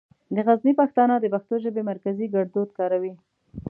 د غزني پښتانه د پښتو ژبې مرکزي ګړدود کاروي.